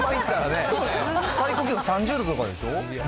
最高気温３０度とかでしょ？